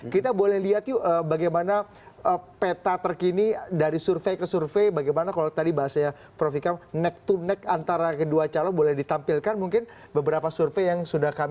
kita bisa lihat di belakang kita lebih jelas prof ikam